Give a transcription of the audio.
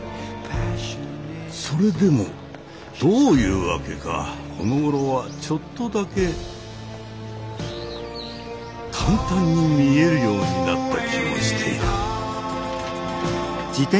それでもどういうわけかこのごろはちょっとだけ簡単に見えるようになった気もしている。